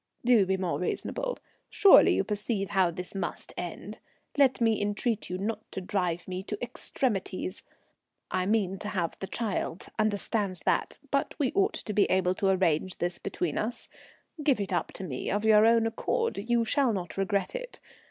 "Do be more reasonable. Surely you perceive how this must end? Let me entreat you not to drive me to extremities. I mean to have the child, understand that; but we ought to be able to arrange this between us. Give it up to me of your own accord, you shall not regret it.